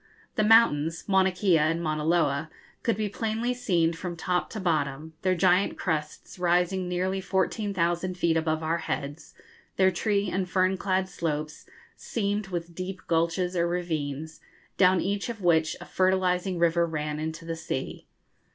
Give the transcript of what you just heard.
The mountains, Mauna Kea and Mauna Loa, could be plainly seen from top to bottom, their giant crests rising nearly 14,000 feet above our heads, their tree and fern clad slopes seamed with deep gulches or ravines, down each of which a fertilising river ran into the sea.